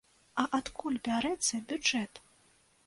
А адкуль бярэцца бюджэт?